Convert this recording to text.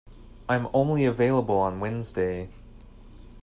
I am only available on Wednesday.